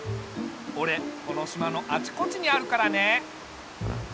おれこの島のあちこちにあるからね。